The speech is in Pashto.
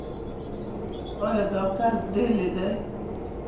ایا ډاکټر دلې دی؟